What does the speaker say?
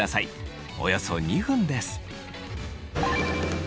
およそ２分です。